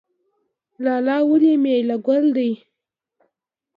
لاله ولې ملي ګل دی؟